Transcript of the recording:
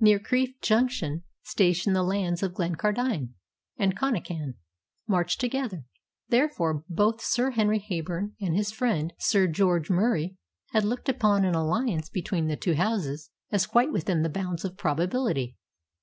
Near Crieff Junction station the lands of Glencardine and Connachan march together; therefore both Sir Henry Heyburn and his friend, Sir George Murie, had looked upon an alliance between the two houses as quite within the bounds of probability.